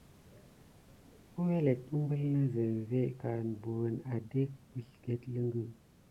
Əwelet umbul na zenve ka an buwune adek əsleget ləŋgə.